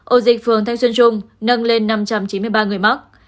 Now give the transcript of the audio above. ổ dịch phường thanh xuân trung nâng lên năm trăm chín mươi ba người mắc